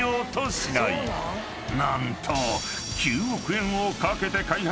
［何と］